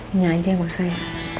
ini aja bangsa ya